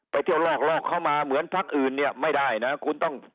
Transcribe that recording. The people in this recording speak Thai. ไปเที่ยวลอกลอกเข้ามาเหมือนพักอื่นเนี่ยไม่ได้นะคุณต้อง